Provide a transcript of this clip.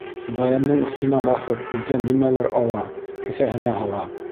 Даяндың өҫтөнә баҫып үрҙән нимәлер ала, кеҫәһенә һала.